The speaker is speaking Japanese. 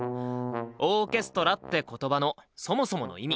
「オーケストラ」って言葉のそもそもの意味！